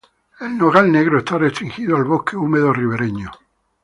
El nogal negro está restringido al bosque húmedo ribereño.